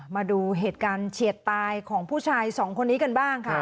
มาดูเหตุการณ์เฉียดตายของผู้ชายสองคนนี้กันบ้างค่ะ